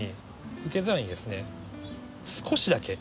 受け皿にですね少しだけ。